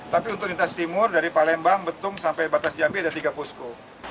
tapi untuk lintas timur dari palembang betung sampai batas jambi ada tiga posko